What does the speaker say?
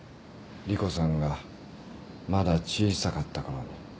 莉湖さんがまだ小さかったころに。